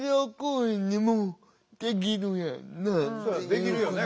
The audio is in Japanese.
できるよね